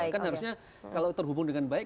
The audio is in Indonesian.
kan harusnya kalau terhubung dengan baik